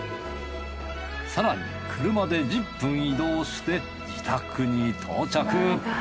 更に車で１０分移動して自宅に到着。